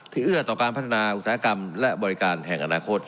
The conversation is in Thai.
เอื้อต่อการพัฒนาอุตสาหกรรมและบริการแห่งอนาคต